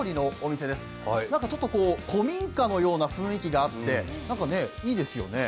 ちょっと古民家のような雰囲気があっていいですよね。